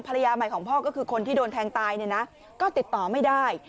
ภรรยาใหม่ของพ่อก็คือคนที่โดนแทงตายเนี่ยนะก็ติดต่อไม่ได้